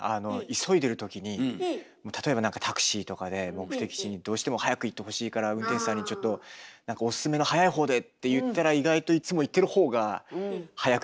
急いでる時に例えば何かタクシーとかで目的地にどうしても早く行ってほしいから運転手さんにちょっと何か「おすすめの早いほうで」って言ったら意外とあるねえ。